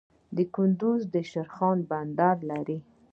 کندز د شیرخان بندر لري